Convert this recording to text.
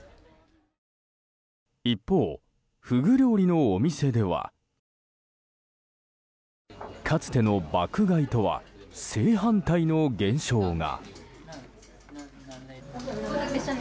一方、フグ料理のお店ではかつての爆買いとは正反対の現象が。